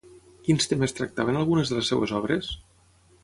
Quins temes tractava en algunes de les seves obres?